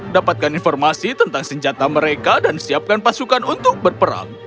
dapatkan informasi tentang senjata mereka dan siapkan pasukan untuk berperang